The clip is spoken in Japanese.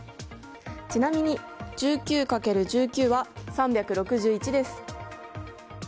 ちなみに１９×１９は３６１です。